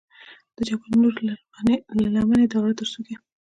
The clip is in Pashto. د جبل نور له لمنې د غره تر څوکې.